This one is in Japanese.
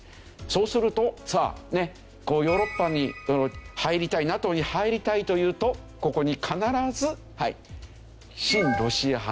そうするとさあヨーロッパに入りたいＮＡＴＯに入りたいと言うとここに必ず。